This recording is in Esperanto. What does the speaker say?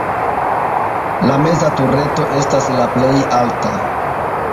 La meza tureto estas la plej alta.